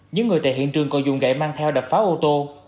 những người tại hiện trường còn dùng gãy mang theo đập pháo ô tô